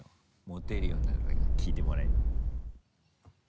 モテるようになったか聞いてもらえる？